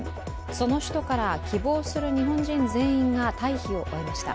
その首都から、希望する日本人全員が退避を終えました。